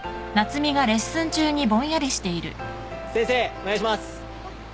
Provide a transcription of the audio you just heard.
お願いします。